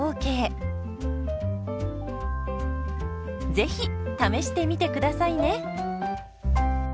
ぜひ試してみてくださいね。